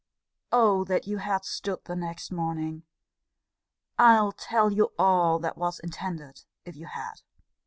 Oh! that you had stood the next morning! I'll tell you all that was intended if you had.